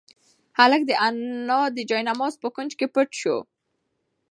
هلک د انا د جاینماز په کونج کې پټ شو.